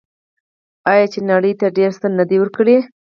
آیا چې نړۍ ته یې ډیر څه نه دي ورکړي؟